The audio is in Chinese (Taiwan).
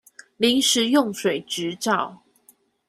臨時用水執照